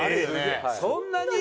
そんなに？